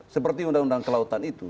seperti undang undang kelautan itu